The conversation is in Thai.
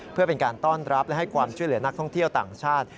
เพื่อเป็นการต้อนรับและให้ความช่วยเหลือนักท่องเที่ยวต่างชาติ